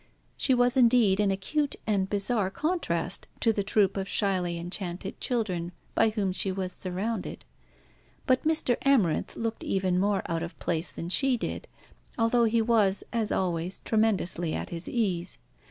She was indeed an acute and bizarre contrast to the troop of shyly enchanted children by whom she was surrounded. But Mr. Amarinth looked even more out of place than she did, although he was, as always, tremendously at his ease.